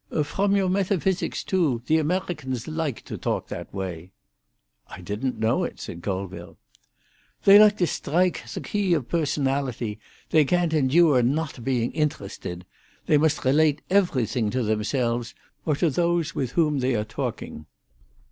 "Frhom your metaphysics too. The Amerhicans like to talk in that way." "I didn't know it," said Colville. "They like to strhike the key of personality; they can't endure not being interhested. They must rhelate everything to themselves or to those with whom they are talking."